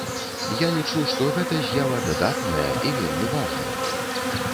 Я лічу, што гэта з'ява дадатная і вельмі важная.